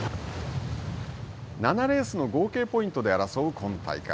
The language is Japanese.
７レースの合計ポイントで争う今大会。